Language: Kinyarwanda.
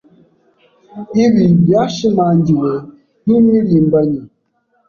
Ibi byashimangiwe n’impirimbanyi